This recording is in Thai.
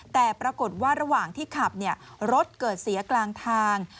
แต่ปรากฏว่าระหว่างที่ขับรถเกิดเสียกลางทาง